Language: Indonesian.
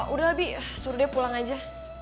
udah lebih suruh dia pulang aja